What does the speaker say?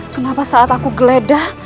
kenapa saat aku geledah